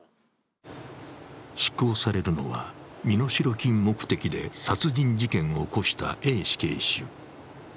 執行されるのは身代金目的で殺人事件を起こしたＡ死刑囚。